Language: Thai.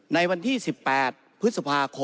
ในวันที่๑๘พศ